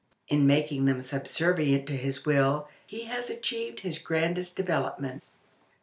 In making them subservient to his will he has achieved his grandest development.